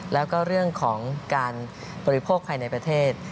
แล้วก็เรื่องของการบริโภคภายในประเทศ